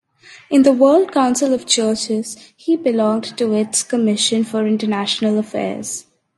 In the World Council of Churches he belonged to its "Commission for International Affairs".